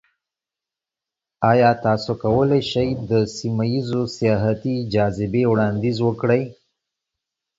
ایا تاسو کولی شئ د سیمه ایزو سیاحتي جاذبې وړاندیز وکړئ؟